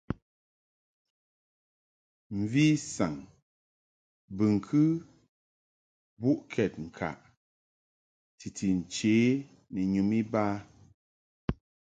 Mvi saŋ bɨŋkɨ mbuʼkɛd ŋkaʼ titi nche ni nyum iba.